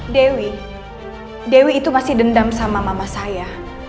dewi dewi itu masih dendam sama mama saya